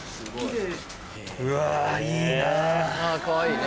うわいいな。